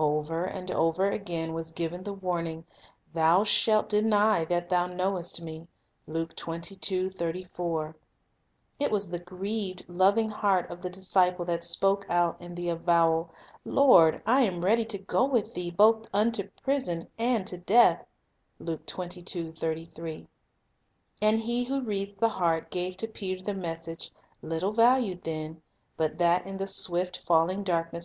Over and over again was given the warning, "Thou shalt ... deny that thou knowest Me." 1 It was the grieved, loving heart of the disciple that spoke out in the avowal, "Lord,T am ready to go with Thee, both into prison, and to death;" 2 and He who reads the heart gave to Peter the message, "i Have little valued then, but that in the swift falling darkness r £^T.